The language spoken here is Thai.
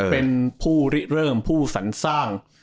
เป็นผู้ริเริ่มผู้สรรสร้าง